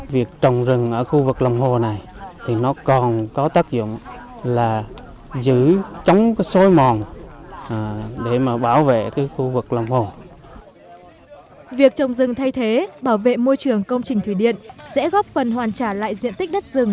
việc trồng rừng thay thế bảo vệ môi trường công trình thủy điện sẽ góp phần hoàn trả lại diện tích đất rừng